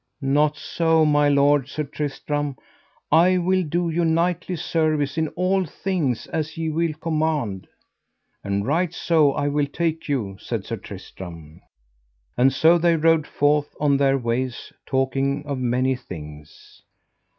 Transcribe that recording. Not so, my lord Sir Tristram, I will do you knightly service in all thing as ye will command. And right so I will take you, said Sir Tristram. And so they rode forth on their ways talking of many things.